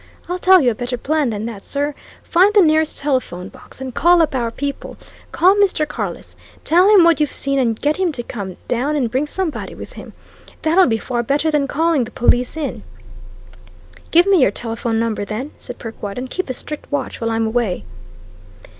I'll tell you a better plan than that, sir find the nearest telephone box and call up our people call Mr. Carless, tell him what you've seen and get him to come down and bring somebody with him. That'll be far better than calling the police in." "Give me your telephone number, then," said Perkwite, "and keep a strict watch while I'm away."